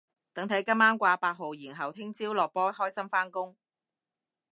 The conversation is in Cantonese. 等睇今晚掛八號然後聽朝落波開心返工